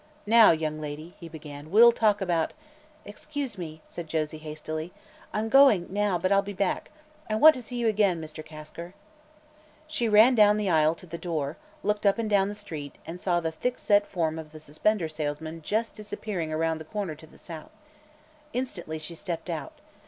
"Now, young lady," he began, "we'll talk about " "Excuse me," said Josie hastily. "I'm going, now; but I'll be back. I want to see you again, Mr. Kasker." She ran down the aisle to the door, looked up and down the street and saw the thick set form of the suspender salesman just disappearing around the corner to the south. Instantly she stepped out.